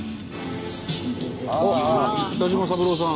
あっ北島三郎さん。